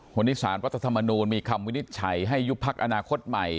หวันนิษฐานพัฒนธรรมนูลมีความวินิจฉัยให้ยุบภักดีอนาคตใหม่